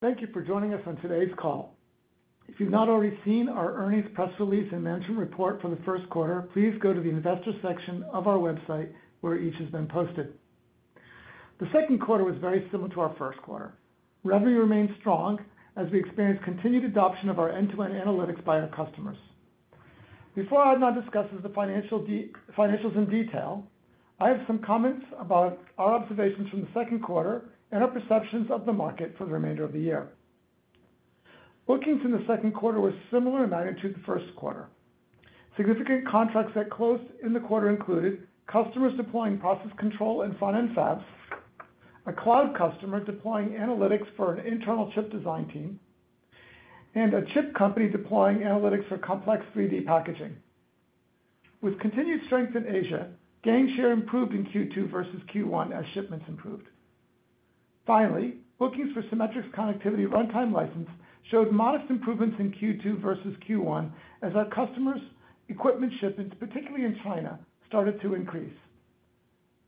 Thank you for joining us on today's call. If you've not already seen our earnings press release and management report for the first quarter, please go to the investor section of our website, where each has been posted. The second quarter was very similar to our first quarter. Revenue remained strong as we experienced continued adoption of our end-to-end analytics by our customers. Before Adnan discusses the financials in detail, I have some comments about our observations from the second quarter and our perceptions of the market for the remainder of the year. Bookings in the second quarter were similar in magnitude to the first quarter. Significant contracts that closed in the quarter included customers deploying process control and front-end fabs, a cloud customer deploying analytics for an internal chip design team, and a chip company deploying analytics for complex 3D packaging. With continued strength in Asia, Gainshare improved in Q2 versus Q1 as shipments improved. Bookings for Cimetrix's connectivity runtime license showed modest improvements in Q2 versus Q1, as our customers' equipment shipments, particularly in China, started to increase.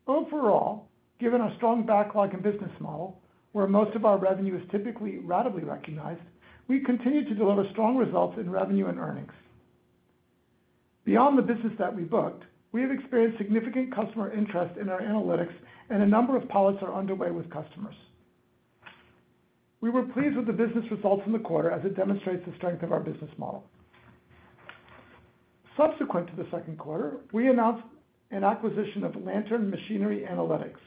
Given our strong backlog and business model, where most of our revenue is typically ratably recognized, we continue to deliver strong results in revenue and earnings. Beyond the business that we booked, we have experienced significant customer interest in our analytics, and a number of pilots are underway with customers. We were pleased with the business results in the quarter as it demonstrates the strength of our business model. Subsequent to the second quarter, we announced an acquisition of Lantern Machinery Analytics.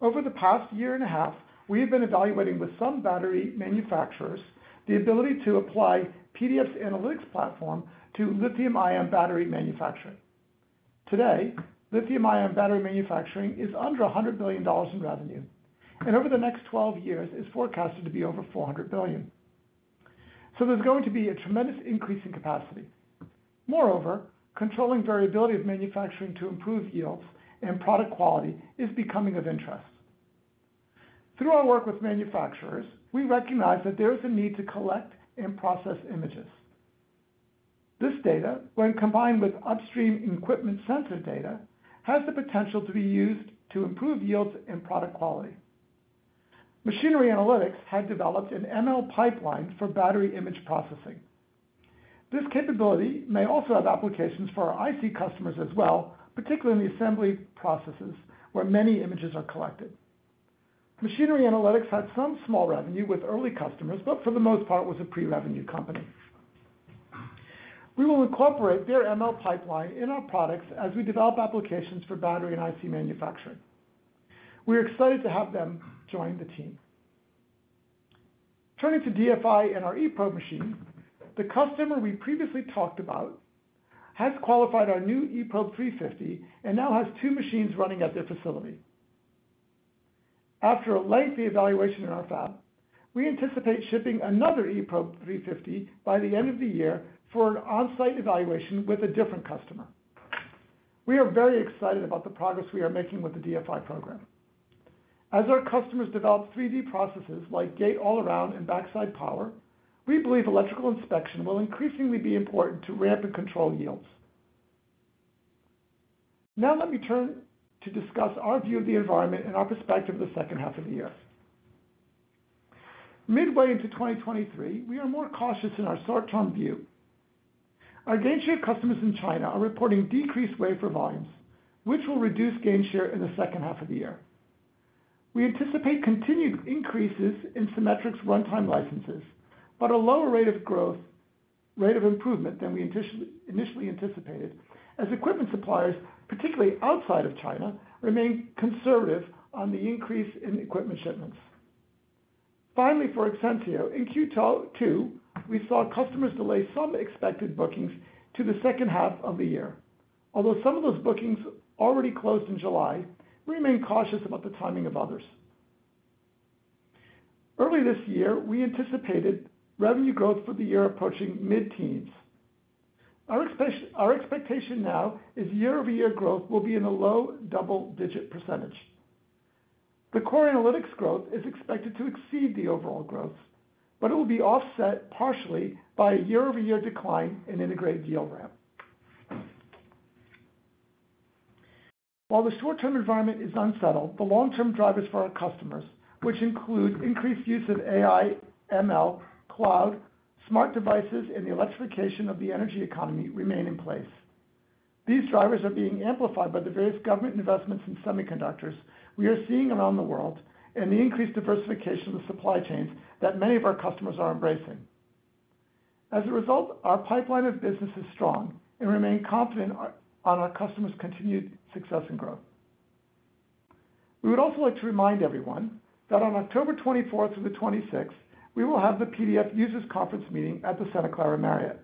Over the past year and a half, we have been evaluating with some battery manufacturers the ability to apply PDF's analytics platform to lithium-ion battery manufacturing. Today, lithium-ion battery manufacturing is under $100 billion in revenue, and over the next 12 years, is forecasted to be over $400 billion. There's going to be a tremendous increase in capacity. Moreover, controlling variability of manufacturing to improve yields and product quality is becoming of interest. Through our work with manufacturers, we recognize that there is a need to collect and process images. This data, when combined with upstream equipment sensor data, has the potential to be used to improve yields and product quality. Machinery Analytics had developed an ML pipeline for battery image processing. This capability may also have applications for our IC customers as well, particularly in the assembly processes, where many images are collected. Machinery Analytics had some small revenue with early customers, but for the most part, was a pre-revenue company. We will incorporate their ML pipeline in our products as we develop applications for battery and IC manufacturing. We are excited to have them join the team. Turning to DFI and our eProbe machine, the customer we previously talked about has qualified our new eProbe 350 and now has two machines running at their facility. After a lengthy evaluation in our fab, we anticipate shipping another eProbe 350 by the end of the year for an on-site evaluation with a different customer. We are very excited about the progress we are making with the DFI program. As our customers develop 3D processes like gate-all-around and backside power, we believe electrical inspection will increasingly be important to ramp and control yields. Now let me turn to discuss our view of the environment and our perspective of the H2 of the year. Midway into 2023, we are more cautious in our short-term view. Our gainshare customers in China are reporting decreased wafer volumes, which will reduce gainshare in the H2 of the year. We anticipate continued increases in Cimetrix runtime licenses, but a lower rate of improvement than we initially anticipated, as equipment suppliers, particularly outside of China, remain conservative on the increase in equipment shipments. Finally, for Exensio, in Q2, we saw customers delay some expected bookings to the H2 of the year. Although some of those bookings already closed in July, we remain cautious about the timing of others. Early this year, we anticipated revenue growth for the year approaching mid-teens. Our expectation now is year-over-year growth will be in the low double-digit %. The core analytics growth is expected to exceed the overall growth, but it will be offset partially by a year-over-year decline in Integrated Yield Ramp. While the short-term environment is unsettled, the long-term drivers for our customers, which include increased use of AI, ML, cloud, smart devices, and the electrification of the energy economy, remain in place. These drivers are being amplified by the various government investments in semiconductors we are seeing around the world, and the increased diversification of the supply chains that many of our customers are embracing. As a result, our pipeline of business is strong and remain confident on our customers' continued success and growth. We would also like to remind everyone that on October 24th through the 26th, we will have the PDF Users Conference meeting at the Santa Clara Marriott.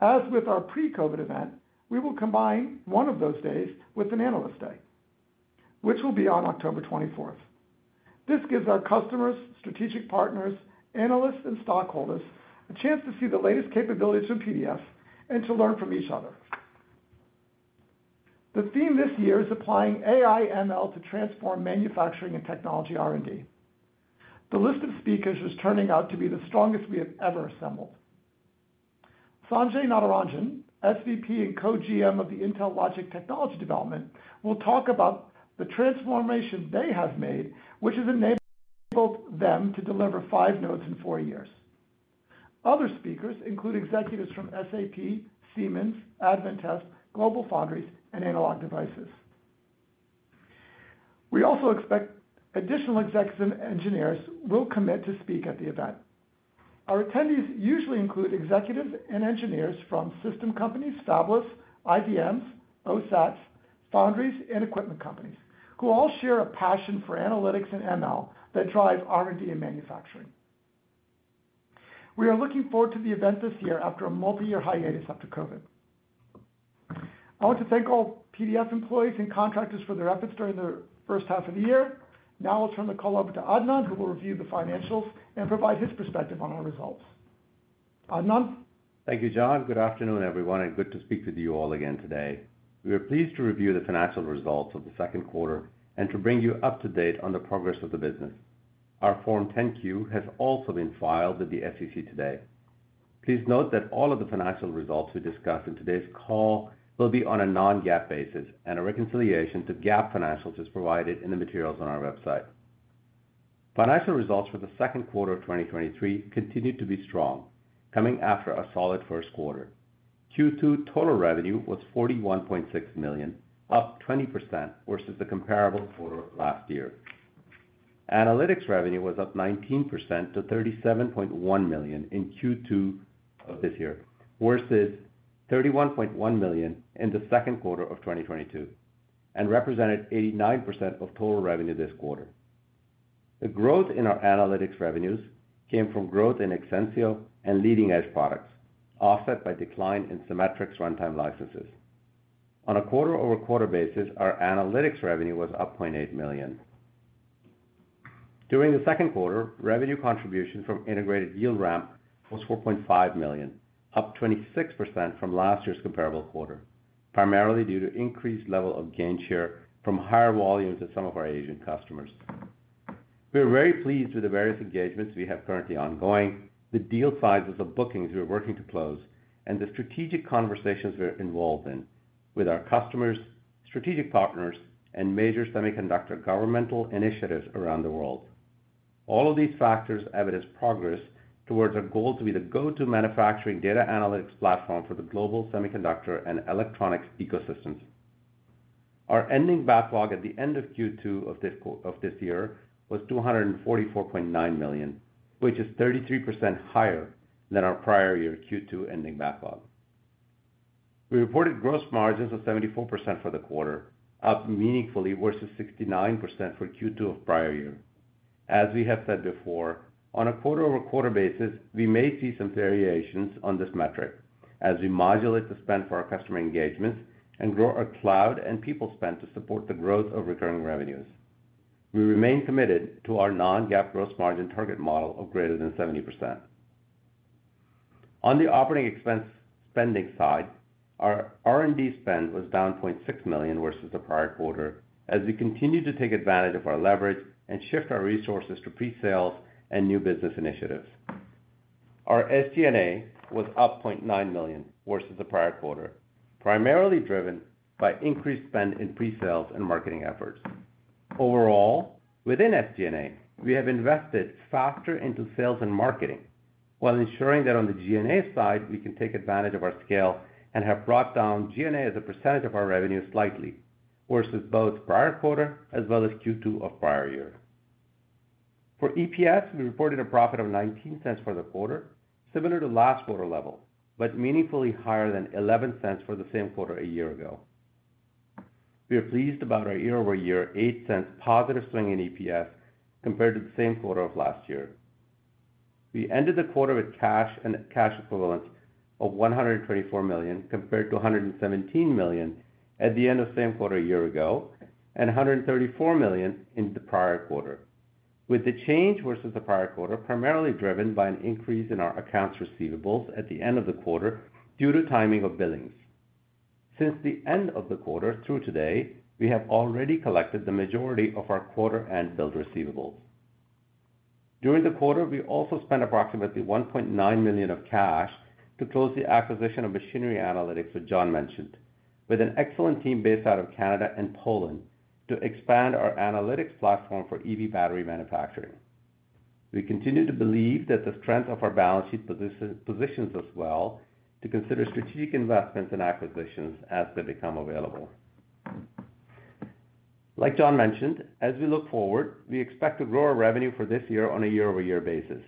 As with our pre-COVID event, we will combine one of those days with an analyst day, which will be on October 24th. This gives our customers, strategic partners, analysts, and stockholders a chance to see the latest capabilities from PDF and to learn from each other. The theme this year is applying AI ML to transform manufacturing and technology R&D. The list of speakers is turning out to be the strongest we have ever assembled. Sanjay Natarajan, SVP and co-GM of the Intel Logic Technology Development, will talk about the transformation they have made, which has enabled them to deliver five nodes in four years. Other speakers include executives from SAP, Siemens, Advantest, GlobalFoundries, and Analog Devices. We also expect additional executive engineers will commit to speak at the event. Our attendees usually include executives and engineers from system companies, fabless, IDMs, OSATs, foundries, and equipment companies, who all share a passion for analytics and ML that drive R&D and manufacturing. We are looking forward to the event this year after a multi-year hiatus after COVID. I want to thank all PDF employees and contractors for their efforts during the H1 of the year. Now I'll turn the call over to Adnan, who will review the financials and provide his perspective on our results. Adnan? Thank you, John. Good afternoon, everyone, good to speak with you all again today. We are pleased to review the financial results of the second quarter and to bring you up to date on the progress of the business. Our Form 10-Q has also been filed with the SEC today. Please note that all of the financial results we discuss in today's call will be on a non-GAAP basis, a reconciliation to GAAP financials is provided in the materials on our website. Financial results for the second quarter of 2023 continued to be strong, coming after a solid first quarter. Q2 total revenue was $41.6 million, up 20% versus the comparable quarter of last year. Analytics revenue was up 19% to $37.1 million in Q2 of this year, versus $31.1 million in the second quarter of 2022, and represented 89% of total revenue this quarter. The growth in our analytics revenues came from growth in Exensio and Leading Edge products, offset by decline in Cimetrix runtime licenses. On a quarter-over-quarter basis, our analytics revenue was up $0.8 million. During the second quarter, revenue contribution from Integrated Yield Ramp was $4.5 million, up 26% from last year's comparable quarter, primarily due to increased level of gainshare from higher volumes at some of our Asian customers. We are very pleased with the various engagements we have currently ongoing, the deal sizes of bookings we are working to close, and the strategic conversations we're involved in with our customers, strategic partners, and major semiconductor governmental initiatives around the world. All of these factors evidence progress towards our goal to be the go-to manufacturing data analytics platform for the global semiconductor and electronics ecosystems. Our ending backlog at the end of Q2 of this year was $244.9 million, which is 33% higher than our prior year Q2 ending backlog. We reported gross margins of 74% for the quarter, up meaningfully versus 69% for Q2 of prior year. As we have said before, on a quarter-over-quarter basis, we may see some variations on this metric as we modulate the spend for our customer engagements and grow our cloud and people spend to support the growth of recurring revenues. We remain committed to our non-GAAP gross margin target model of greater than 70%. On the operating expense spending side, our R&D spend was down $0.6 million versus the prior quarter, as we continued to take advantage of our leverage and shift our resources to pre-sales and new business initiatives. Our SG&A was up $0.9 million versus the prior quarter, primarily driven by increased spend in pre-sales and marketing efforts. Overall, within SG&A, we have invested faster into sales and marketing, while ensuring that on the G&A side, we can take advantage of our scale and have brought down G&A as a % of our revenue slightly versus both prior quarter as well as Q2 of prior year. For EPS, we reported a profit of $0.19 for the quarter, similar to last quarter level, but meaningfully higher than $0.11 for the same quarter a year ago. We are pleased about our year-over-year $0.08 positive swing in EPS compared to the same quarter of last year. We ended the quarter with cash and cash equivalents of $124 million, compared to $117 million at the end of the same quarter a year ago, and $134 million in the prior quarter. With the change versus the prior quarter, primarily driven by an increase in our accounts receivables at the end of the quarter due to timing of billings. Since the end of the quarter through today, we have already collected the majority of our quarter end build receivables. During the quarter, we also spent approximately $1.9 million of cash to close the acquisition of Machinery Analytics that John mentioned, with an excellent team based out of Canada and Poland, to expand our analytics platform for EV battery manufacturing. We continue to believe that the strength of our balance sheet positions us well to consider strategic investments and acquisitions as they become available. Like John mentioned, as we look forward, we expect to grow our revenue for this year on a year-over-year basis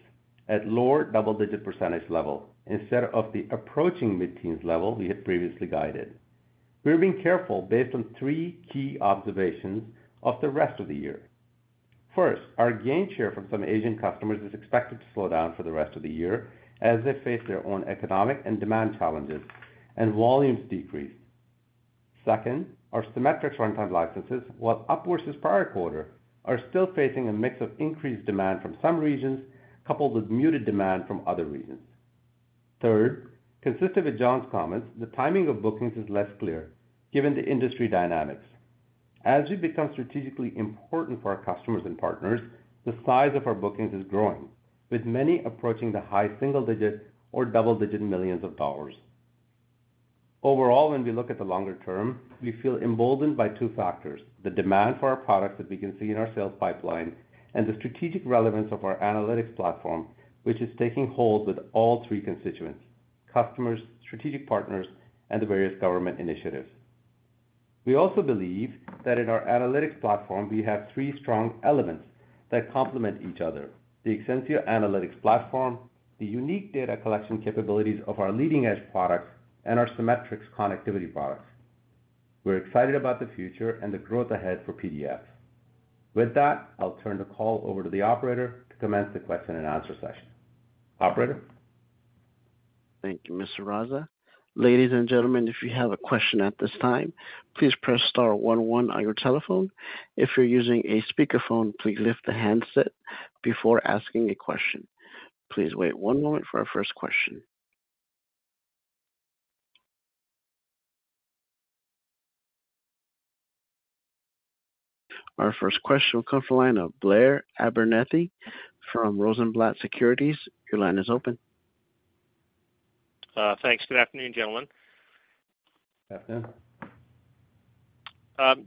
at lower double-digit % level, instead of the approaching mid-teens level we had previously guided. We are being careful based on three key observations of the rest of the year. First, our gainshare from some Asian customers is expected to slow down for the rest of the year as they face their own economic and demand challenges and volumes decrease. Second, our Cimetrix runtime licenses, while up versus prior quarter, are still facing a mix of increased demand from some regions, coupled with muted demand from other regions. Third, consistent with John's comments, the timing of bookings is less clear given the industry dynamics.... as we become strategically important for our customers and partners, the size of our bookings is growing, with many approaching the high single-digit or double-digit millions of dollars. Overall, when we look at the longer term, we feel emboldened by two factors: the demand for our products that we can see in our sales pipeline, and the strategic relevance of our analytics platform, which is taking hold with all three constituents, customers, strategic partners, and the various government initiatives. We also believe that in our analytics platform, we have three strong elements that complement each other: the Exensio analytics platform, the unique data collection capabilities of our Leading Edge products, and our Cimetrix connectivity products. We're excited about the future and the growth ahead for PDF. With that, I'll turn the call over to the operator to commence the question and answer session. Operator? Thank you, Mr. Raza. Ladies and gentlemen, if you have a question at this time, please press star one one on your telephone. If you're using a speakerphone, please lift the handset before asking a question. Please wait one moment for our first question. Our first question will come from the line of Blair Abernethy from Rosenblatt Securities. Your line is open. Thanks. Good afternoon, gentlemen. Afternoon.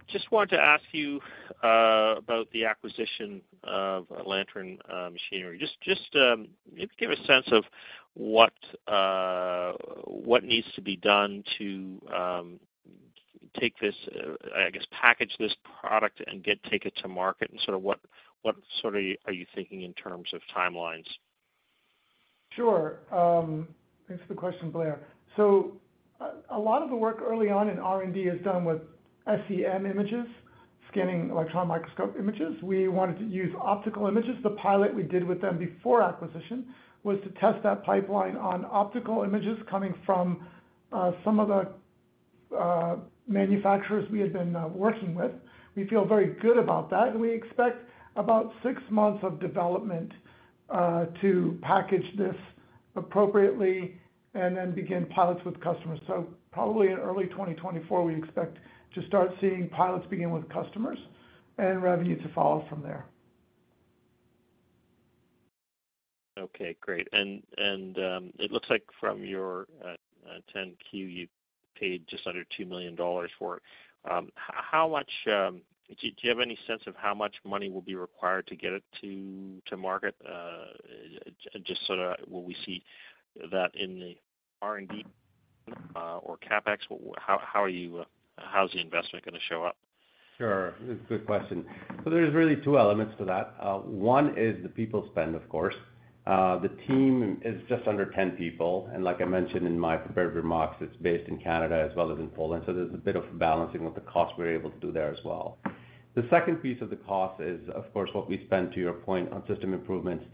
Just wanted to ask you about the acquisition of Lantern Machinery. Give a sense of what needs to be done to take this package this product and take it to market, and what are you thinking in terms of timelines? Sure. Thanks for the question, Blair. A lot of the work early on in R&D is done with SEM images, scanning electron microscope images. We wanted to use optical images. The pilot we did with them before acquisition was to test that pipeline on optical images coming from some of the manufacturers we had been working with. We feel very good about that, and we expect about six months of development to package this appropriately and then begin pilots with customers. Probably in early 2024, we expect to start seeing pilots begin with customers and revenue to follow from there. Okay, great. It looks like from your 10-Q, you paid just under $2 million for it. How much do you have any sense of how much money will be required to get it to market? Just so that will we see that in the R&D or CapEx? How are you, how is the investment going to show up? Sure. Good question. There's really two elements to that. One is the people spend, of course. The team is just under 10 people, and like I mentioned in my prepared remarks, it's based in Canada as well as in Poland, so there's a bit of balancing with the cost we're able to do there as well. The second piece of the cost is, of course, what we spend, to your point, on system improvements.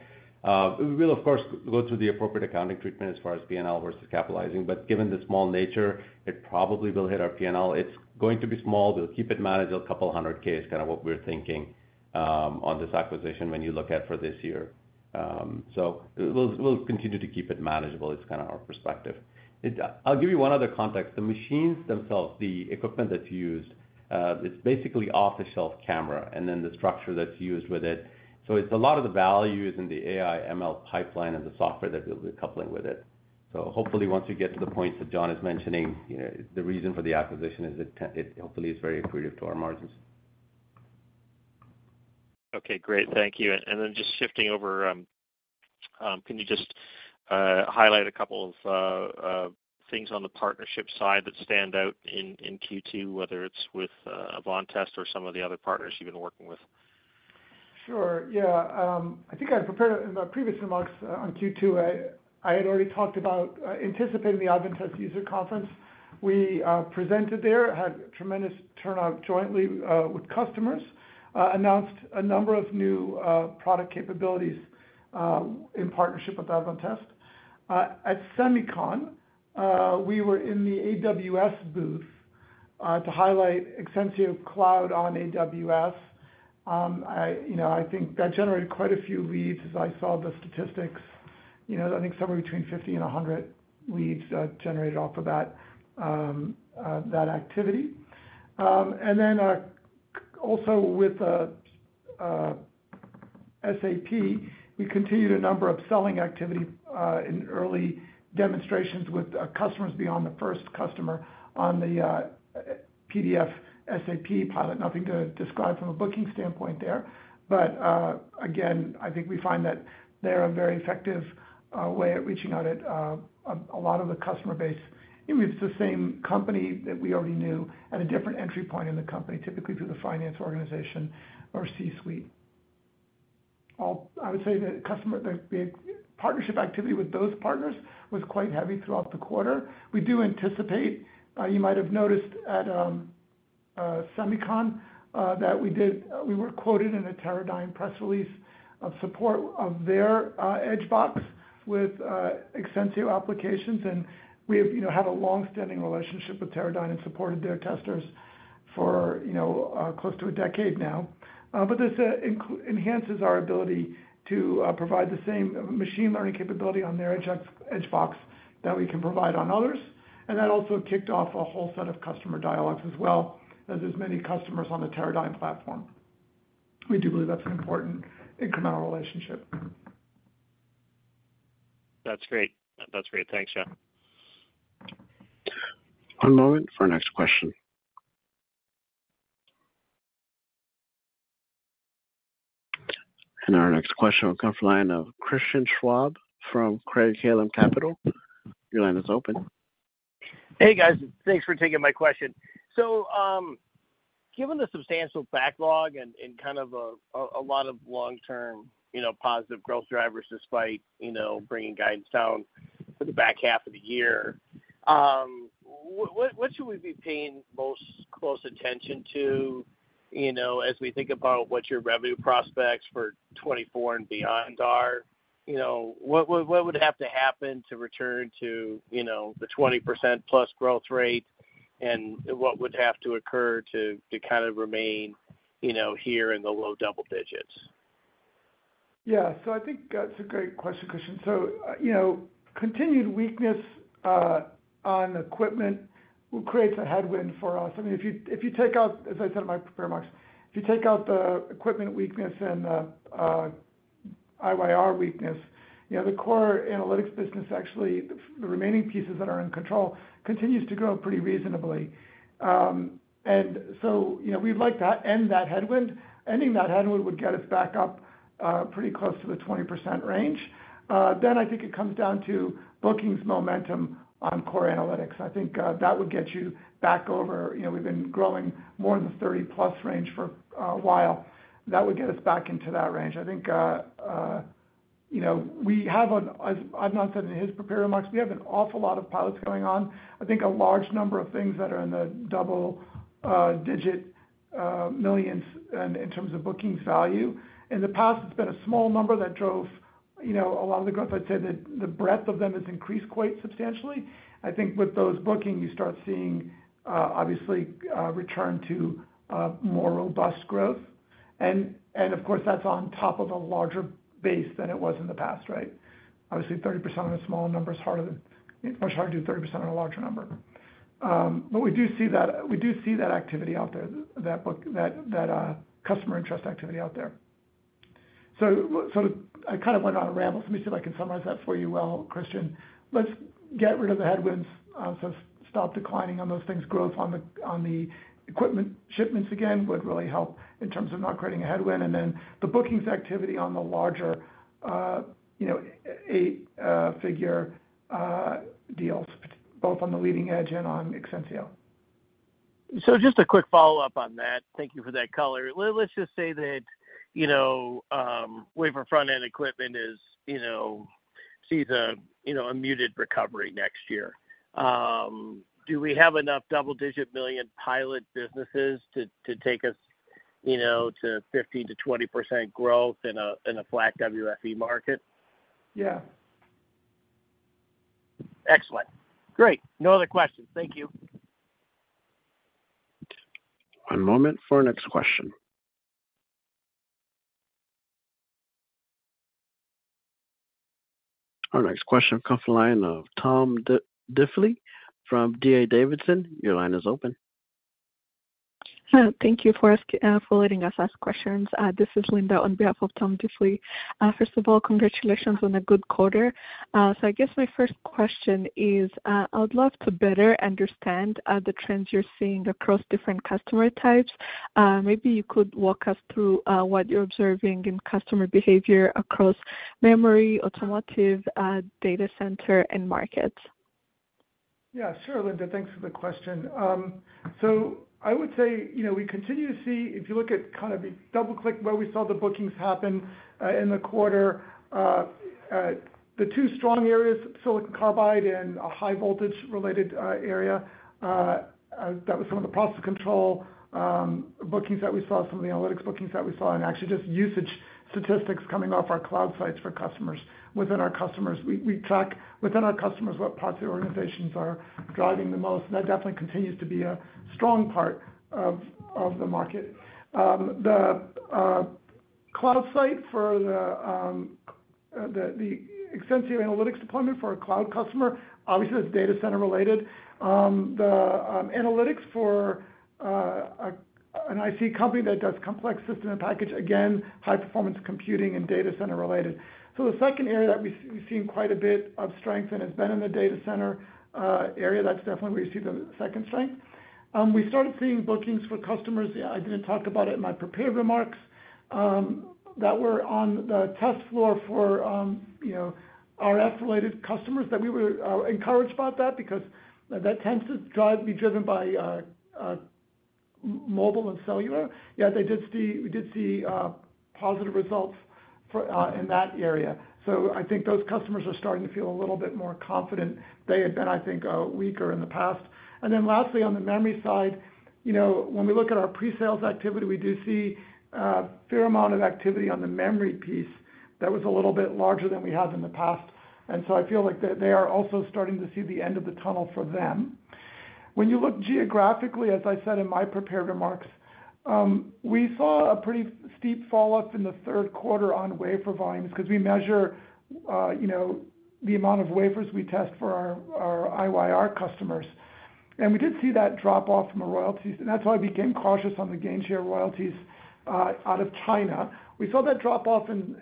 We will of course, go through the appropriate accounting treatment as far as P&L versus capitalizing, but given the small nature, it probably will hit our P&L. It's going to be small. We'll keep it manageable. A couple of $100K is kind of what we're thinking on this acquisition when you look at for this year. We'll, we'll continue to keep it manageable. It's kind of our perspective. I'll give you one other context. The machines themselves, the equipment that's used, it's basically off-the-shelf camera, and then the structure that's used with it. It's a lot of the value is in the AI ML pipeline and the software that we'll be coupling with it. Hopefully, once you get to the point that John is mentioning, you know, the reason for the acquisition is it, it hopefully is very accretive to our margins. Okay, great. Thank you. Just shifting over, can you just highlight a couple of things on the partnership side that stand out in Q2, whether it's with Advantest or some of the other partners you've been working with? Sure. Yeah. I think I prepared in my previous remarks on Q2, I, I had already talked about anticipating the Advantest user conference. We presented there, had tremendous turnout jointly with customers, announced a number of new product capabilities in partnership with Advantest. At SEMICON, we were in the AWS booth to highlight Exensio Cloud on AWS. I, you know, I think that generated quite a few leads as I saw the statistics. You know, I think somewhere between 50-100 leads generated off of that activity. Then, also with the SAP, we continued a number of selling activity in early demonstrations with customers beyond the first customer on the PDF SAP pilot. Nothing to describe from a booking standpoint there, but again, I think we find that they're a very effective way at reaching out at a lot of the customer base. It's the same company that we already knew at a different entry point in the company, typically through the finance organization or C-suite. I would say the customer, the partnership activity with those partners was quite heavy throughout the quarter. We do anticipate, you might have noticed at SEMICON, that we did... We were quoted in a Teradyne press release of support of their Edge Box with Exensio applications, and we have, you know, had a long-standing relationship with Teradyne and supported their testers for, you know, close to a decade now. This enhances our ability to provide the same machine learning capability on their Edge Box that we can provide on others. That also kicked off a whole set of customer dialogues, as well as there's many customers on the Teradyne platform. We do believe that's an important incremental relationship. That's great. That's great. Thanks, yeah. One moment for our next question. Our next question will come from the line of Christian Schwab from Craig-Hallum Capital. Your line is open. Hey, guys. Thanks for taking my question. Given the substantial backlog and kind of a lot of long-term, you know, positive growth drivers, despite, you know, bringing guidance down for the back half of the year, what, what should we be paying most close attention to, you know, as we think about what your revenue prospects for 2024 and beyond are? You know, what, what, what would have to happen to return to, you know, the 20% plus growth rate, and what would have to occur to kind of remain, you know, here in the low double digits? Yeah. I think that's a great question, Christian. you know, continued weakness on equipment will create a headwind for us. I mean, if you, if you take out, as I said in my prepared remarks, if you take out the equipment weakness and the IYR weakness, you know, the core analytics business, actually, the remaining pieces that are in control, continues to grow pretty reasonably. you know, we'd like to end that headwind. Ending that headwind would get us back up pretty close to the 20% range. I think it comes down to bookings momentum on core analytics. I think that would get you back over. You know, we've been growing more than 30 plus range for a while. That would get us back into that range. I think, you know, we have as Adnan said in his prepared remarks, we have an awful lot of pilots going on. I think a large number of things that are in the double-digit millions in terms of bookings value. In the past, it's been a small number that drove, you know, a lot of the growth. I'd say that the breadth of them has increased quite substantially. I think with those bookings, you start seeing, obviously, return to more robust growth. Of course, that's on top of a larger base than it was in the past, right? Obviously, 30% on a small number is harder, it's much harder to do 30% on a larger number. We do see that, we do see that activity out there, that book, that, that, customer interest activity out there. I kind of went on a ramble. Let me see if I can summarize that for you well, Christian. Let's get rid of the headwinds, stop declining on those things. Growth on the, on the equipment shipments again, would really help in terms of not creating a headwind, the bookings activity on the larger, you know, 8-figure deals, both on the Leading Edge and on Exensio. Just a quick follow-up on that. Thank you for that color. Let's just say that, you know, wafer front-end equipment is, you know, sees a, you know, a muted recovery next year. Do we have enough double-digit million pilot businesses to take us, you know, to 15%-20% growth in a, in a flat WFE market? Yeah. Excellent. Great! No other questions. Thank you. One moment for our next question. Our next question come from the line of Tom Diffely from D.A. Davidson. Your line is open. Hello, thank you for ask, for letting us ask questions. This is Linda on behalf of Tom Diffely. First of all, congratulations on a good quarter. I guess my first question is, I would love to better understand, the trends you're seeing across different customer types. Maybe you could walk us through, what you're observing in customer behavior across memory, automotive, data center, and markets. Yeah, sure, Linda, thanks for the question. I would say, you know, we continue to see, if you look at kind of the double-click, where we saw the bookings happen in the quarter, the two strong areas, silicon carbide and a high voltage-related area, that was some of the process control bookings that we saw, some of the analytics bookings that we saw, and actually just usage statistics coming off our cloud sites for customers. Within our customers, we, we track within our customers, what parts of the organizations are driving the most, and that definitely continues to be a strong part of the market. The cloud site for the Exensio analytics deployment for our cloud customer, obviously, that's data center-related. The analytics for an IC company that does complex system and package, again, high-performance computing and data center-related. So the second area that we, we've seen quite a bit of strength and has been in the data center area, that's definitely where you see the second strength. We started seeing bookings for customers, I didn't talk about it in my prepared remarks, that were on the test floor for, you know, our F-related customers, that we were encouraged about that because that tends to be driven by mobile and cellular. Yeah, we did see positive results for in that area. So I think those customers are starting to feel a little bit more confident. They had been, I think, weaker in the past. Lastly, on the memory side, you know, when we look at our pre-sales activity, we do see a fair amount of activity on the memory piece that was a little bit larger than we have in the past. I feel like they, they are also starting to see the end of the tunnel for them. When you look geographically, as I said in my prepared remarks, we saw a pretty steep falloff in the third quarter on wafer volumes. Because we measure, you know, the amount of wafers we test for our IYR customers. We did see that drop off from the royalties, and that's why we became cautious on the gainshare royalties out of China. We saw that drop off in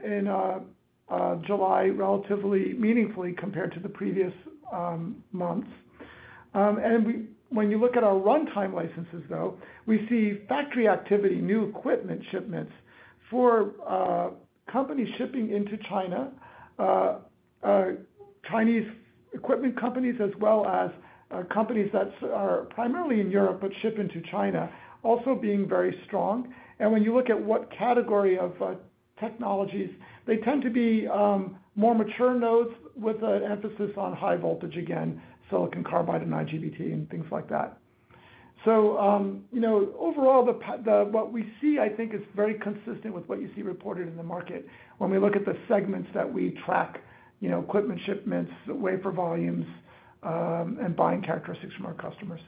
July, relatively meaningfully compared to the previous months. When you look at our runtime licenses, though, we see factory activity, new equipment shipments for companies shipping into China, Chinese equipment companies, as well as companies that's, are primarily in Europe, but ship into China, also being very strong. When you look at what category of technologies, they tend to be more mature nodes with an emphasis on high voltage, again, silicon carbide and IGBT, and things like that. You know, overall, what we see, I think, is very consistent with what you see reported in the market when we look at the segments that we track, you know, equipment shipments, wafer volumes, and buying characteristics from our customers.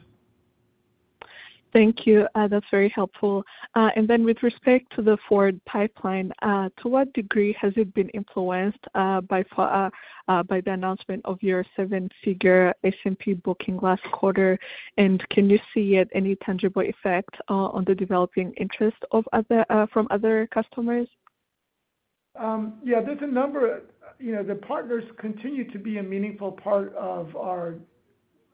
Thank you, that's very helpful. Then with respect to the forward pipeline, to what degree has it been influenced, by far, by the announcement of your seven-figure SMH booking last quarter? Can you see yet any tangible effect, on the developing interest of other, from other customers? Yeah, there's a number, you know, the partners continue to be a meaningful part of our,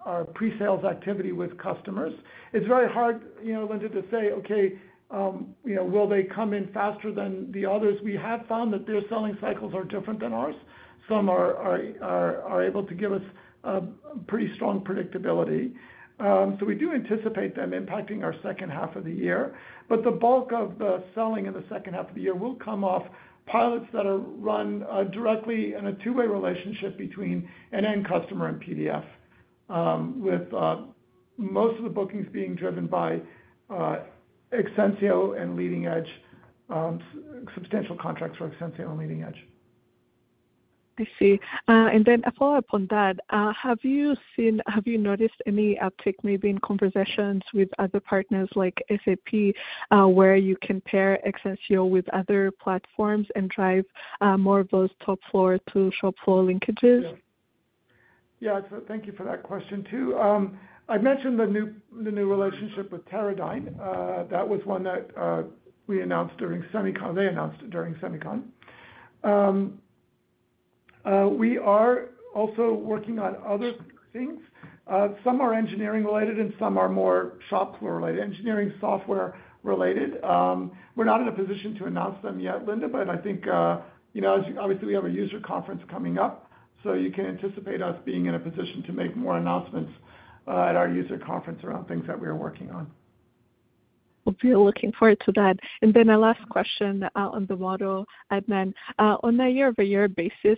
our presales activity with customers. It's very hard, you know, Linda, to say, okay, you know, will they come in faster than the others? We have found that their selling cycles are different than ours. Some are, are, are, are able to give us, pretty strong predictability. We do anticipate them impacting our H2 of the year, but the bulk of the selling in the H2 of the year will come off pilots that are run, directly in a two-way relationship between an end customer and PDF. With most of the bookings being driven by Exensio and Leading Edge, substantial contracts for Exensio and Leading Edge. I see. A follow-up on that, have you noticed any uptick, maybe in conversations with other partners like SAP, where you can pair Exensio with other platforms and drive, more of those top floor to shop floor linkages? Yeah. Thank you for that question, too. I've mentioned the new, the new relationship with Teradyne. That was one that, we announced during SEMICON. They announced it during SEMICON. We are also working on other things. Some are engineering related, and some are more shop floor related, engineering software related. We're not in a position to announce them yet, Linda, but I think, you know, as obviously we have a user conference coming up, so you can anticipate us being in a position to make more announcements, at our user conference around things that we are working on. We'll be looking forward to that. A last question, on the model, Adnan. On a year-over-year basis,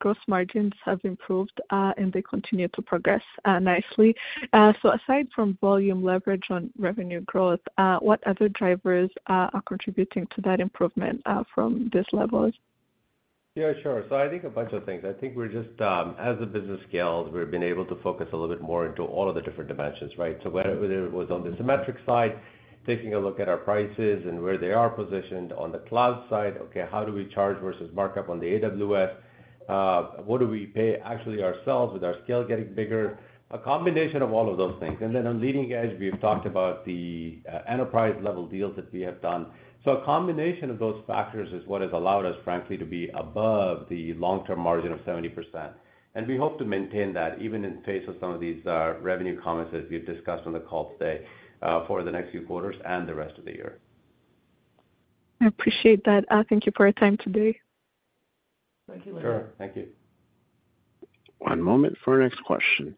gross margins have improved, and they continue to progress, nicely. Aside from volume leverage on revenue growth, what other drivers are contributing to that improvement from this level? Yeah, sure. I think a bunch of things. I think we're just, as the business scales, we've been able to focus a little bit more into all of the different dimensions, right? Whether it was on the Cimetrix side, taking a look at our prices and where they are positioned on the cloud side. Okay, how do we charge versus markup on the AWS? What do we pay actually ourselves with our scale getting bigger? A combination of all of those things. Then on Leading Edge, we've talked about the enterprise-level deals that we have done. A combination of those factors is what has allowed us, frankly, to be above the long-term margin of 70%. We hope to maintain that even in face of some of these, revenue comments that we've discussed on the call today, for the next few quarters and the rest of the year. I appreciate that. Thank you for your time today. Thank you, Linda. Sure. Thank you. One moment for our next question.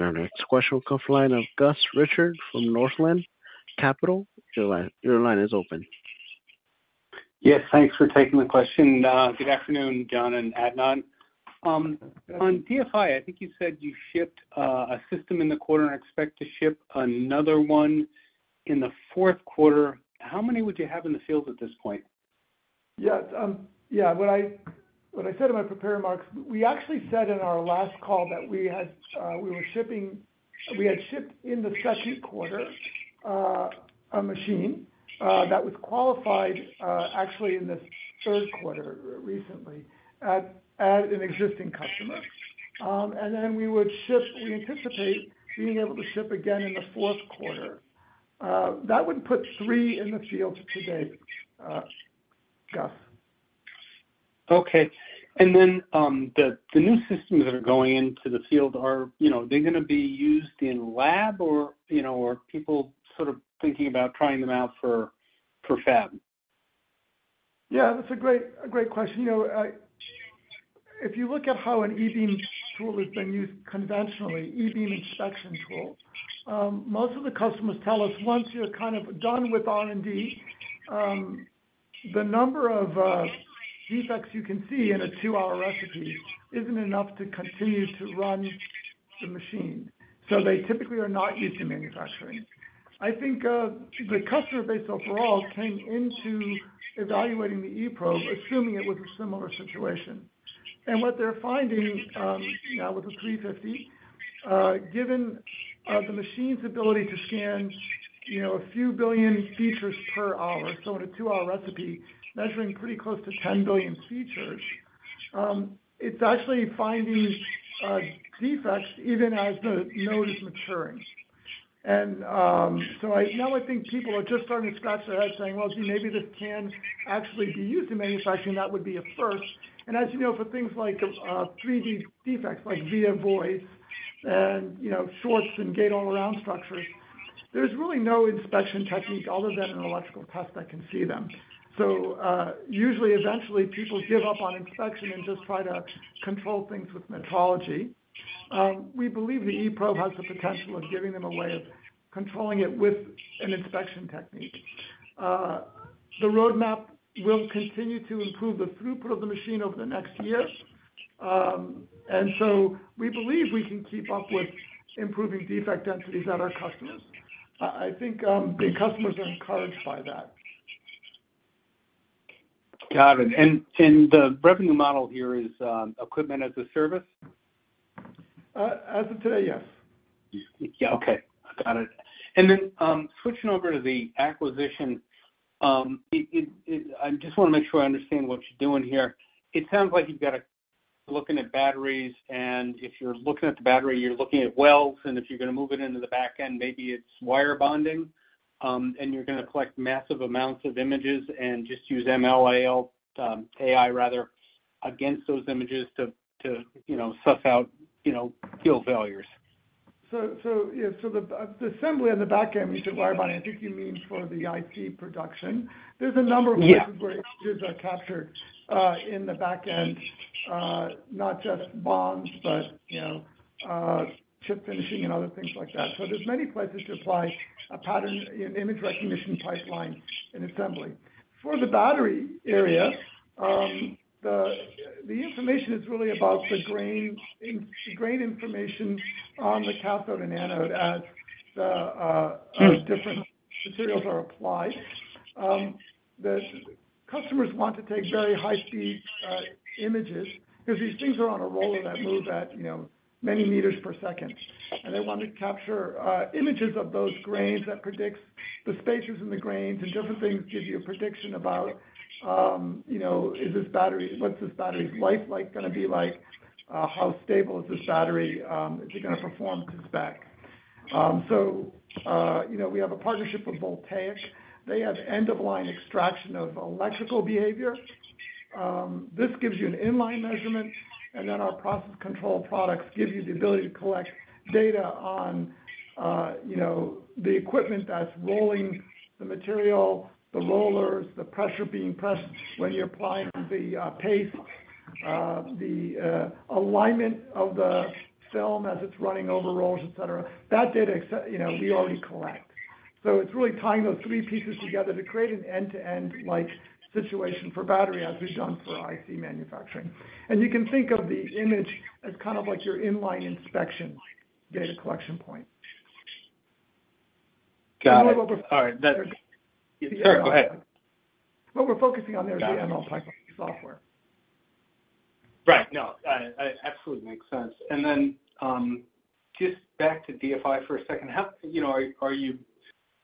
Our next question, come line of Gus Richard from Northland Capital. Your line, your line is open. Yes, thanks for taking the question. Good afternoon, John and Adnan. On DFI, I think you said you shipped, a system in the quarter and expect to ship another one in the fourth quarter. How many would you have in the field at this point? Yeah, yeah, what I, what I said in my prepared remarks, we actually said in our last call that we had, we were shipping-- we had shipped in the second quarter, a machine, that was qualified, actually, in this third quarter, recently, at, at an existing customer. We would ship, we anticipate being able to ship again in the fourth quarter. That would put 3 in the field to date, Gus. Okay. Then, the, the new systems that are going into the field, are, you know, they gonna be used in lab, or, you know, are people sort of thinking about trying them out for, for fab? Yeah, that's a great, a great question. You know, if you look at how an e-beam tool has been used conventionally, e-beam inspection tool, most of the customers tell us, once you're kind of done with R&D, the number of defects you can see in a 2-hour recipe isn't enough to continue to run the machine, so they typically are not used in manufacturing. I think the customer base overall came into evaluating the eProbe, assuming it was a similar situation. What they're finding, now with the eProbe 350, given the machine's ability to scan, you know, a few billion features per hour, so in a 2-hour recipe, measuring pretty close to 10 billion features, it's actually finding defects even as the node is maturing. So now I think people are just starting to scratch their head saying: Well, gee, maybe this can actually be used in manufacturing. That would be a first. As you know, for things like 3D defects, like via void and, you know, shorts and gate-all-around structures, there's really no inspection technique other than an electrical test that can see them. Usually, eventually, people give up on inspection and just try to control things with metrology. We believe the eProbe has the potential of giving them a way of controlling it with an inspection technique. The roadmap will continue to improve the throughput of the machine over the next year. So we believe we can keep up with improving defect densities at our customers. I, I think, the customers are encouraged by that. Got it. The revenue model here is equipment as a service? As of today, yes. Yeah, okay. Got it. Switching over to the acquisition, I just wanna make sure I understand what you're doing here. It sounds like you've got looking at batteries, and if you're looking at the battery, you're looking at welds, and if you're gonna move it into the back end, maybe it's wire bonding, and you're gonna collect massive amounts of images and just use ML, AL, AI rather, against those images to, you know, suss out, you know, field failures. The assembly on the back end, you said wire bonding, I think you mean for the IP production. Yeah. There's a number of places where images are captured, in the back end, not just bonds, but, you know, chip finishing and other things like that. There's many places to apply a pattern, an image recognition pipeline and assembly. For the battery area, the information is really about the grain information on the cathode and anode as the different materials are applied. The customers want to take very high-speed images, because these things are on a roller that move at, you know, many meters per second. They want to capture images of those grains that predicts the spaces in the grains, and different things give you a prediction about, you know, what's this battery's life like, gonna be like? How stable is this battery? Is it gonna perform to spec? You know, we have a partnership with Voltaiq. They have end-of-line extraction of electrical behavior. This gives you an inline measurement, and then our process control products give you the ability to collect data on, you know, the equipment that's rolling the material, the rollers, the pressure being pressed when you're applying the paste, the alignment of the film as it's running over rollers, et cetera. That data set, you know, we already collect. It's really tying those three pieces together to create an end-to-end like situation for battery, as we've done for IC manufacturing. You can think of the image as kind of like your inline inspection data collection point. Got it. What we're- All right. That... Sorry, go ahead. What we're focusing on there is the ML pipeline software. Right. No, I, I, absolutely makes sense. Just back to DFI for a second. How, you know, are you,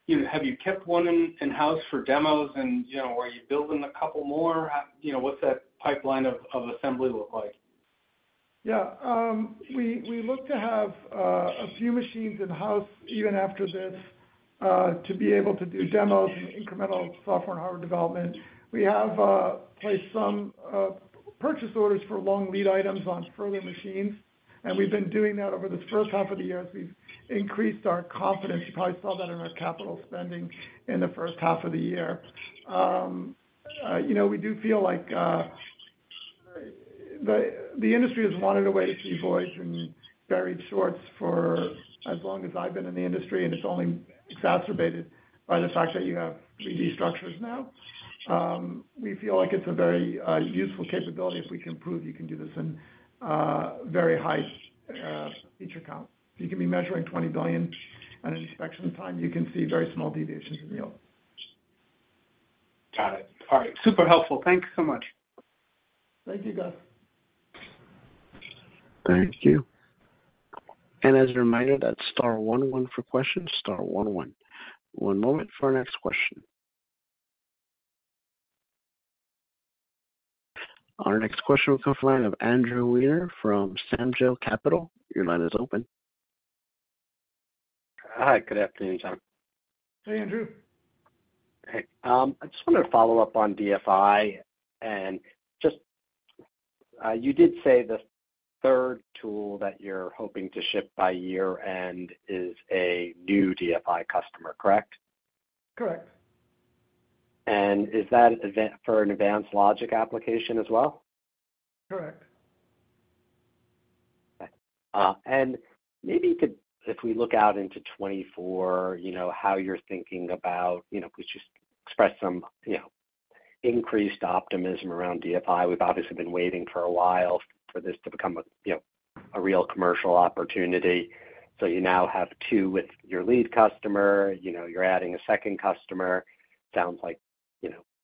you know, have you kept one in-house for demos and, you know, are you building a couple more? You know, what's that pipeline of assembly look like? Yeah. We, we look to have a few machines in-house even after this to be able to do demos and incremental software and hardware development. We have placed some purchase orders for long lead items on further machines, and we've been doing that over this H1 of the year as we've increased our confidence. You probably saw that in our capital spending in the H1 of the year. You know, we do feel like the industry has wanted a way to see voids and buried shorts for as long as I've been in the industry, and it's only exacerbated by the fact that you have 3D structures now. We feel like it's a very useful capability if we can prove you can do this in very high feature count. You can be measuring 20 billion at an inspection time, you can see very small deviations in yield. Got it. All right. Super helpful. Thank you so much. Thank you, Gus. Thank you. As a reminder, that's star one one for questions, star one one. One moment for our next question. Our next question will come from the line of Andrew Wiener from Samjo Capital. Your line is open. Hi, good afternoon, John. Hey, Andrew. Hey, I just wanted to follow up on DFI, and just, you did say the third tool that you're hoping to ship by year end is a new DFI customer, correct? Correct. Is that for an advanced logic application as well? Correct. Okay. Maybe you could, if we look out into 2024, you know, how you're thinking about, you know, could you just express some, you know, increased optimism around DFI? We've obviously been waiting for a while for this to become a, you know, a real commercial opportunity. You now have two with your lead customer, you know, you're adding a second customer. Sounds like,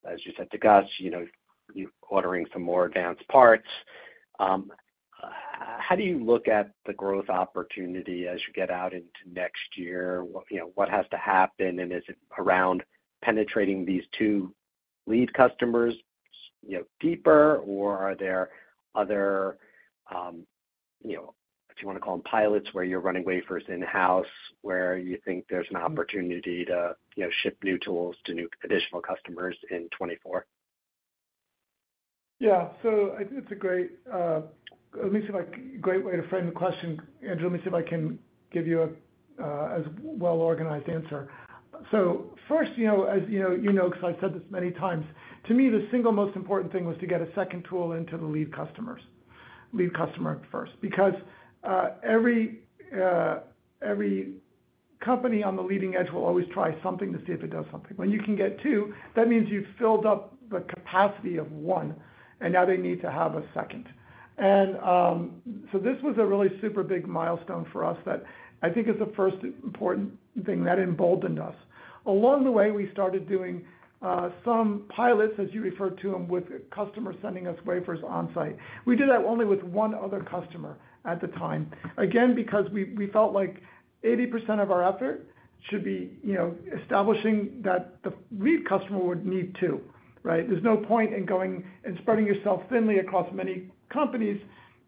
you know, as you said to Gus, you know, you're ordering some more advanced parts. How do you look at the growth opportunity as you get out into next year? What, you know, what has to happen, and is it around penetrating these two lead customers, you know, deeper? Are there other, you know, if you wanna call them pilots, where you're running wafers in-house, where you think there's an opportunity to, you know, ship new tools to new additional customers in 2024? Yeah. I think it's a great, let me see if I-- great way to frame the question, Andrew. Let me see if I can give you a as well-organized answer. First, you know, as you know, you know, because I've said this many times, to me, the single most important thing was to get a second tool into the lead customers- lead customer first. Because, every, every company on the leading edge will always try something to see if it does something. When you can get two, that means you've filled up the capacity of one, and now they need to have a second. This was a really super big milestone for us that I think is the first important thing that emboldened us. Along the way, we started doing some pilots, as you referred to them, with customers sending us wafers on-site. We did that only with one other customer at the time, again, because we, we felt like 80% of our effort should be, you know, establishing that the lead customer would need two, right? There's no point in going and spreading yourself thinly across many companies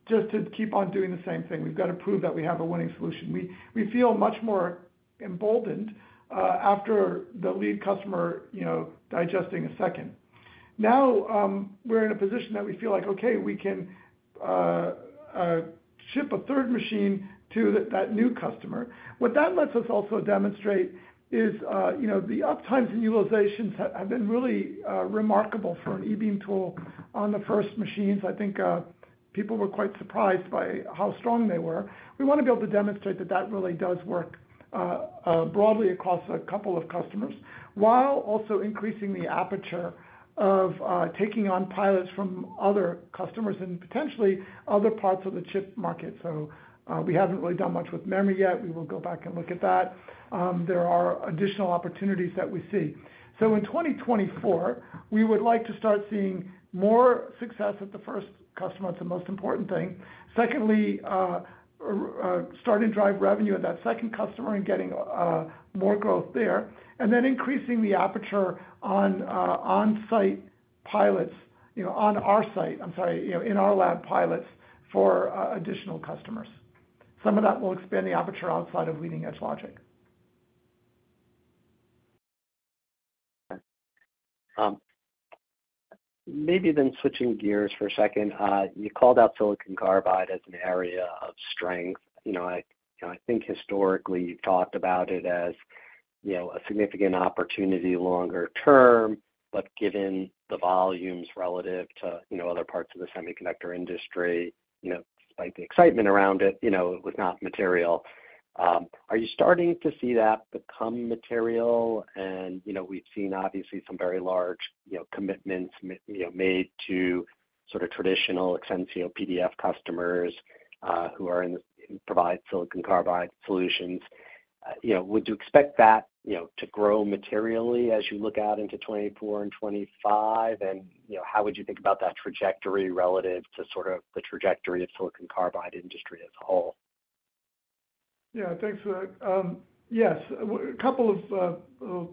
just to keep on doing the same thing. We've got to prove that we have a winning solution. We, we feel much more emboldened after the lead customer, you know, digesting a second. Now, we're in a position that we feel like, okay, we can ship a third machine to that, that new customer. What that lets us also demonstrate is, you know, the uptimes and utilizations have, have been really remarkable for an e-beam tool on the first machines. I think people were quite surprised by how strong they were. We want to be able to demonstrate that that really does work broadly across a couple of customers, while also increasing the aperture of taking on pilots from other customers and potentially other parts of the chip market. We haven't really done much with memory yet. We will go back and look at that. There are additional opportunities that we see. In 2024, we would like to start seeing more success with the first customer. That's the most important thing. Secondly, start to drive revenue at that second customer and getting more growth there, and then increasing the aperture on on-site pilots, you know, on our site, I'm sorry, you know, in our lab pilots for additional customers. Some of that will expand the aperture outside of leading-edge logic. Maybe then switching gears for a second. You called out silicon carbide as an area of strength. You know, I, I think historically, you've talked about it as, you know, a significant opportunity longer term, but given the volumes relative to, you know, other parts of the semiconductor industry, you know, despite the excitement around it, you know, it was not material. Are you starting to see that become material? You know, we've seen obviously some very large, you know, commitments, you know, made to sort of traditional Exensio PDF customers, who are in the provide silicon carbide solutions. You know, would you expect that, you know, to grow materially as you look out into 2024 and 2025? You know, how would you think about that trajectory relative to sort of the trajectory of silicon carbide industry as a whole? Yeah, thanks for that. Yes, a couple of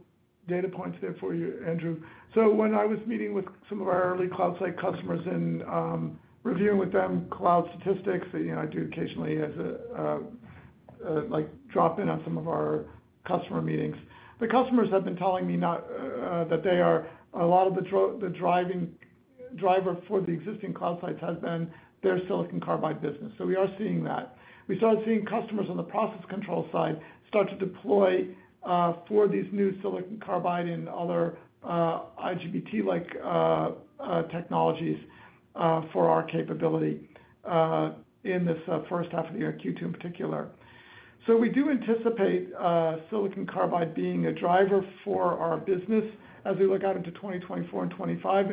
data points there for you, Andrew. When I was meeting with some of our early cloud site customers and reviewing with them cloud statistics, you know, I do occasionally as a like, drop in on some of our customer meetings. The customers have been telling me not that they are-- a lot of the driving, driver for the existing cloud sites has been their silicon carbide business. We are seeing that. We started seeing customers on the process control side start to deploy for these new silicon carbide and other IGBT-like technologies for our capability in this H1 of the year, Q2 in particular. We do anticipate silicon carbide being a driver for our business as we look out into 2024 and 25.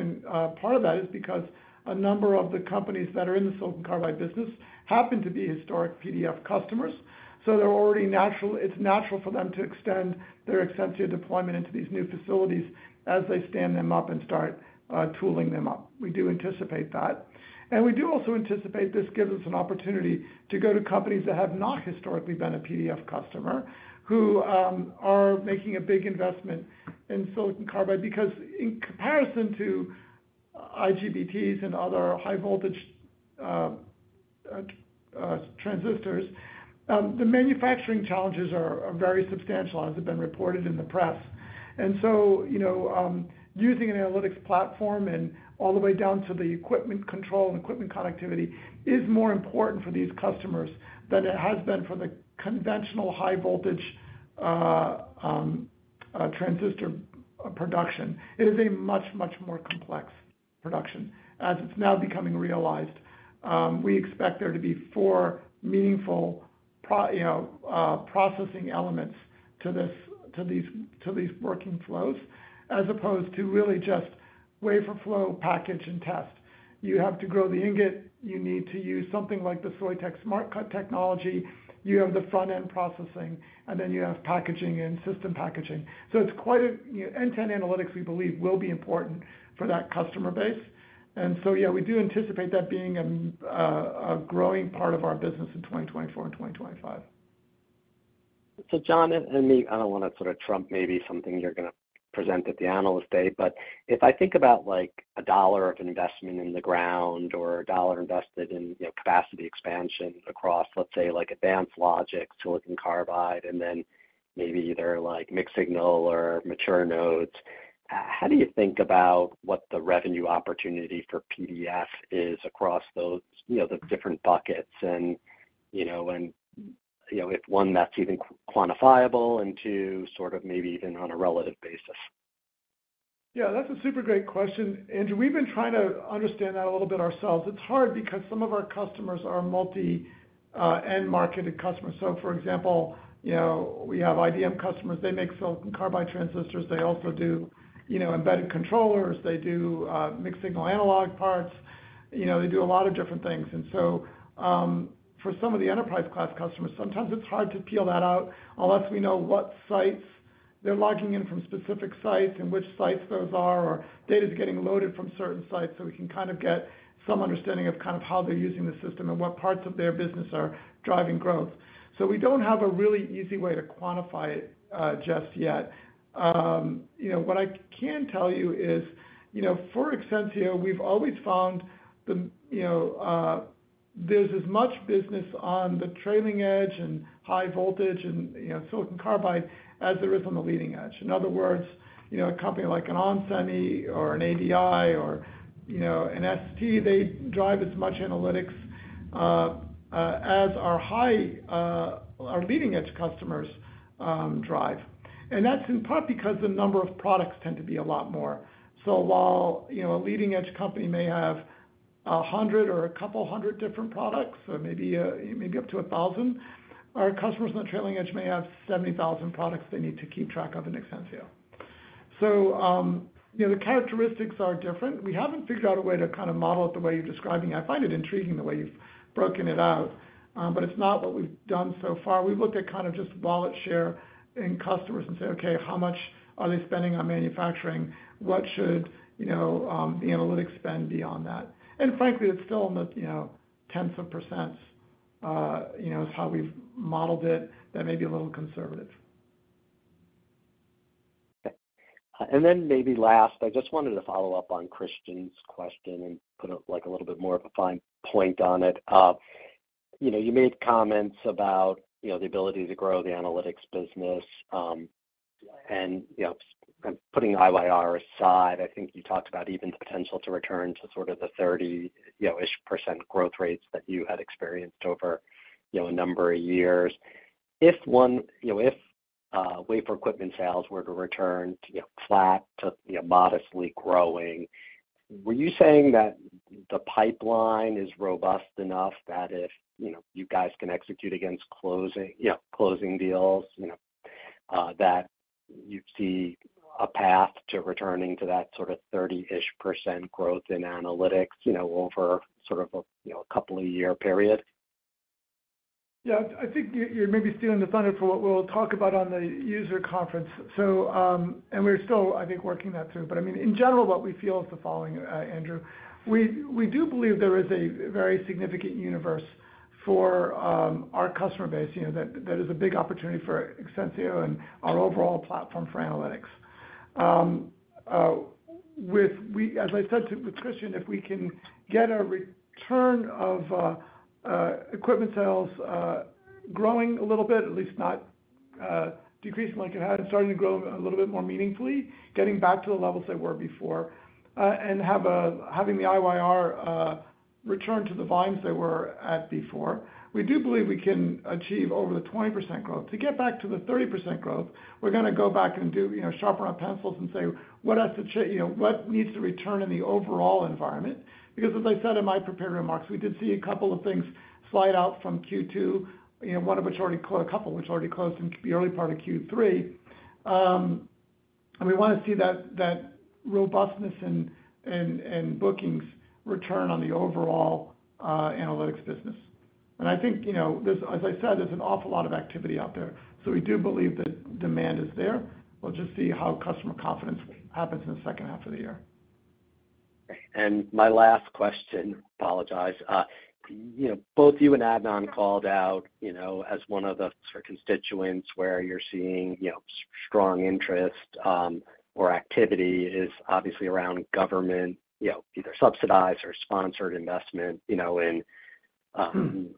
Part of that is because a number of the companies that are in the silicon carbide business happen to be historic PDF customers. They're already natural-- it's natural for them to extend their Exensio deployment into these new facilities as they stand them up and start tooling them up. We do anticipate that. We do also anticipate this gives us an opportunity to go to companies that have not historically been a PDF customer, who are making a big investment in silicon carbide. Because in comparison to IGBTs and other high voltage transistors, the manufacturing challenges are very substantial, as have been reported in the press. You know, using an analytics platform and all the way down to the equipment control and equipment connectivity, is more important for these customers than it has been for the conventional high voltage transistor production. It is a much, much more complex production, as it's now becoming realized. We expect there to be four meaningful, you know, processing elements to this, to these, to these working flows, as opposed to really just wafer flow, package, and test. You have to grow the ingot. You need to use something like the Soitec Smart Cut technology. You have the front-end processing, and then you have packaging and system packaging. It's quite a, you know, end-to-end analytics, we believe, will be important for that customer base. Yeah, we do anticipate that being a growing part of our business in 2024 and 2025. John, and, I mean, I don't wanna sort of trump maybe something you're gonna present at the analyst day, but if I think about, like, $1 of investment in the ground or $1 invested in, you know, capacity expansion across, let's say, like, advanced logic, silicon carbide, and then maybe either like mixed signal or mature nodes, how do you think about what the revenue opportunity for PDF is across those, you know, the different buckets? And, you know, and, you know, if one, that's even quantifiable, and two, sort of maybe even on a relative basis. Yeah, that's a super great question, Andrew. We've been trying to understand that a little bit ourselves. It's hard because some of our customers are multi end-marketed customers. For example, you know, we have IDM customers. They make silicon carbide transistors. They also do, you know, embedded controllers. They do mixed signal analog parts. You know, they do a lot of different things. For some of the enterprise class customers, sometimes it's hard to peel that out unless we know what sites they're logging in from specific sites and which sites those are, or data is getting loaded from certain sites, so we can kind of get some understanding of kind of how they're using the system and what parts of their business are driving growth. We don't have a really easy way to quantify it just yet. What I can tell you is, you know, for Exensio, we've always found, you know, there's as much business on the trailing edge and high voltage and, you know, silicon carbide as there is on the leading edge. In other words, you know, a company like an onsemi or an ADI or, you know, an ST, they drive as much analytics as our high, our leading-edge customers drive. That's in part because the number of products tend to be a lot more. While, you know, a leading-edge company may have 100 or 200 different products, or maybe up to 1,000, our customers on the trailing edge may have 70,000 products they need to keep track of in Exensio. The characteristics are different. We haven't figured out a way to kind of model it the way you're describing. I find it intriguing, the way you've broken it out, but it's not what we've done so far. We've looked at kind of just wallet share in customers and say, "Okay, how much are they spending on manufacturing? What should, you know, the analytics spend be on that?" Frankly, it's still in the, you know, tens of %, you know, is how we've modeled it. That may be a little conservative. Then maybe last, I just wanted to follow up on Christian's question and put it like a little bit more of a fine point on it. You know, you made comments about, you know, the ability to grow the analytics business, and, you know, putting IYR aside, I think you talked about even the potential to return to sort of the 30, you know,-ish% growth rates that you had experienced over, you know, a number of years. If one, you know, if wafer equipment sales were to return to, you know, flat to, you know, modestly growing, were you saying that the pipeline is robust enough that if, you know, you guys can execute against closing, you know, closing deals, you know, that you'd see a path to returning to that sort of 30-ish% growth in analytics, you know, over sort of a, you know, a couple of year period? Yeah, I think you, you're maybe stealing the thunder for what we'll talk about on the PDF Users Conference. We're still, I think, working that through. I mean, in general, what we feel is the following, Andrew: We, we do believe there is a very significant universe for our customer base, you know, that, that is a big opportunity for Exensio and our overall platform for analytics. As I said to, with Christian, if we can get a return of equipment sales, growing a little bit, at least not decreasing like it had, and starting to grow a little bit more meaningfully, getting back to the levels they were before, having the IYR return to the volumes they were at before, we do believe we can achieve over the 20% growth. To get back to the 30% growth, we're gonna go back and do, you know, sharpen our pencils and say: What has to, you know, what needs to return in the overall environment? Because as I said in my prepared remarks, we did see a couple of things slide out from Q2, you know, one of which already a couple, which already closed in the early part of Q3. We wanna see that, that robustness and, and, and bookings return on the overall analytics business. I think, you know, there's, as I said, there's an awful lot of activity out there, so we do believe that demand is there. We'll just see how customer confidence happens in the H2 of the year. My last question, apologize. You know, both you and Adnan called out as one of the sort of constituents where you're seeing strong interest, or activity is obviously around government either subsidized or sponsored investment in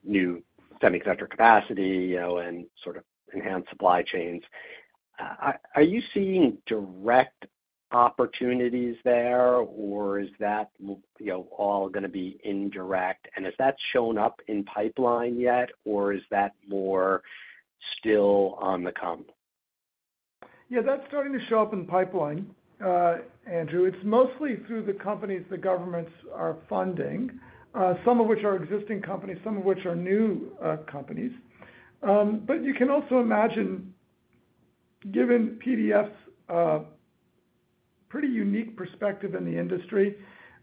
new semiconductor capacity and sort of enhanced supply chains. Are you seeing direct opportunities there, or is that all gonna be indirect? Has that shown up in pipeline yet, or is that more still on the come? Yeah, that's starting to show up in the pipeline, Andrew. It's mostly through the companies the governments are funding, some of which are existing companies, some of which are new companies. You can also imagine, given PDF's pretty unique perspective in the industry,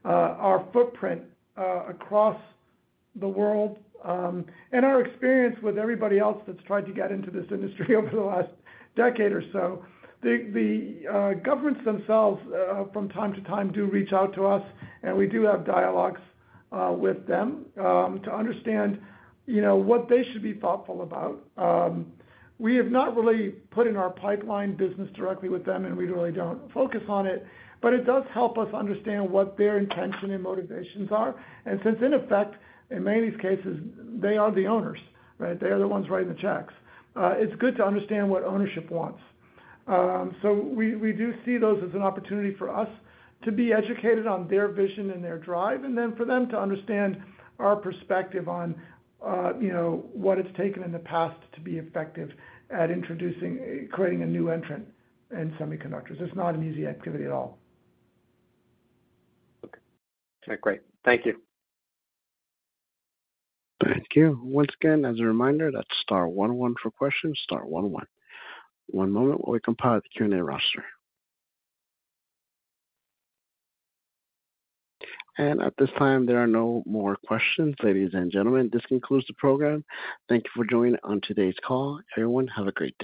our footprint across the world, and our experience with everybody else that's tried to get into this industry over the last decade or so, the, the governments themselves, from time to time, do reach out to us, and we do have dialogues with them, to understand, you know, what they should be thoughtful about. We have not really put in our pipeline business directly with them, and we really don't focus on it, but it does help us understand what their intention and motivations are. Since in effect, in many of these cases, they are the owners, right? They are the ones writing the checks. It's good to understand what ownership wants. So we, we do see those as an opportunity for us to be educated on their vision and their drive, and then for them to understand our perspective on, you know, what it's taken in the past to be effective at introducing, creating a new entrant in semiconductors. It's not an easy activity at all. Okay, great. Thank you. Thank you. Once again, as a reminder, that's star one one for questions, star one one. One moment while we compile the Q&A roster. At this time, there are no more questions. Ladies and gentlemen, this concludes the program. Thank you for joining on today's call. Everyone, have a great day.